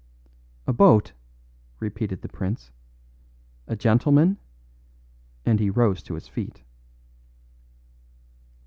"A boat!" repeated the prince; "a gentleman?" and he rose to his feet.